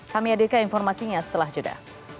kami hadirkan informasinya setelah jeda